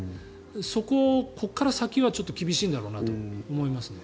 そこをここから先はちょっと厳しいんだろうと思いますね。